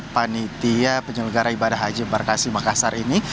panitia penyelenggara ibadah haji embarkasi makassar ini